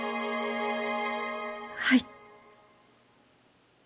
はい。